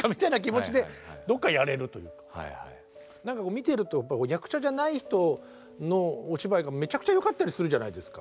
見てると役者じゃない人のお芝居がめちゃくちゃよかったりするじゃないですか。